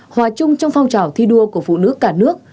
hòa chung trong phong trào thi đua của phụ nữ cả nước